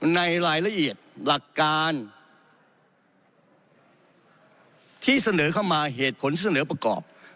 ในรายละเอียดหลักการที่เสนอเข้ามาเหตุผลเสนอประกอบ